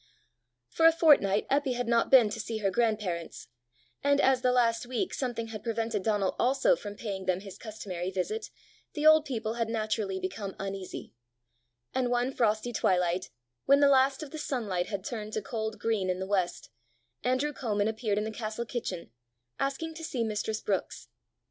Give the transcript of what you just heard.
For a fortnight Eppy had not been to see her grandparents; and as the last week something had prevented Donal also from paying them his customary visit, the old people had naturally become uneasy; and one frosty twilight, when the last of the sunlight had turned to cold green in the west, Andrew Comin appeared in the castle kitchen, asking to see mistress Brookes.